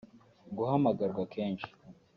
guhamagarwa kenshi